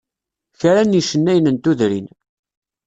Kra n yicennayen n tudrin.